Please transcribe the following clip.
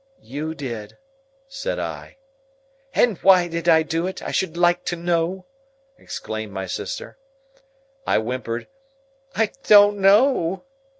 "You did," said I. "And why did I do it, I should like to know?" exclaimed my sister. I whimpered, "I don't know."